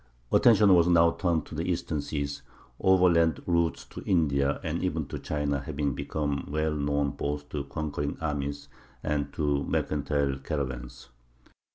] Attention was now turned to the eastern seas, overland routes to India and even to China having become well known both to conquering armies and to mercantile caravans.